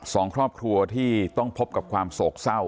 สองครอบครัวที่ต้องพบกับความโศกเศร้า